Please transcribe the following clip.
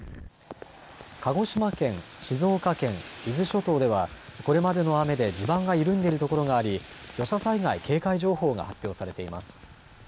鹿児島県、静岡県、伊豆諸島ではこれまでの雨で地盤が緩んでいるところがあり土砂災害警戒情報が発表されています。